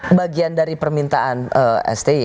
ini bagian dari permintaan sti